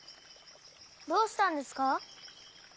どうしたんですか？